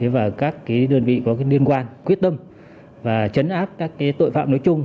và các đơn vị có liên quan quyết tâm và chấn áp các tội phạm nói chung